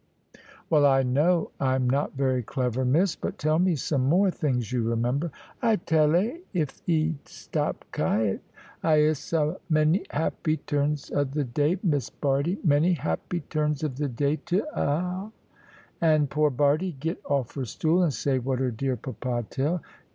"Well, I know I am not very clever, Miss. But tell me some more things you remember." "I tell 'a, if 'e stop kiet. 'I 'ish 'a many happy turns of the day, Miss Bardie. Many happy turns of the day to 'a!' And poor Bardie get off her stool, and say what her dear papa tell.